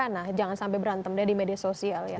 nah jangan sampai berantem deh di media sosial ya